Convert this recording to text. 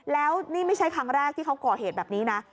แล้วนี่ไม่ใช่ครั้งแรกที่เขาก่อเหตุแบบนี้นะ